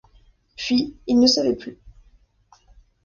Puis, il ne savait plus.